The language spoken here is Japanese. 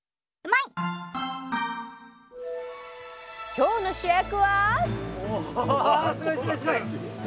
今日の主役は。